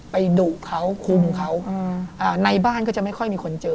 ดุเขาคุมเขาในบ้านก็จะไม่ค่อยมีคนเจอ